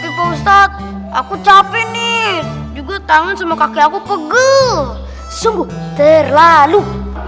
tapi pak ustadz aku capek nih juga tangan sama kaki aku pegel sungguh terlalu